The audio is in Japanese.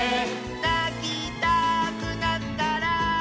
「なきたくなったら」